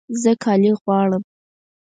زه کالي غواړم